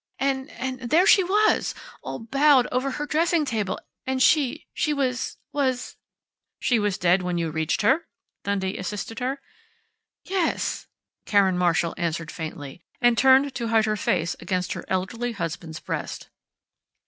And and there she was all bowed over her dressing table, and she she was was " "She was dead when you reached her?" Dundee assisted her. "Yes," Karen Marshall answered faintly, and turned to hide her face against her elderly husband's breast.